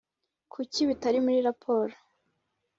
kuki bitari muri raporo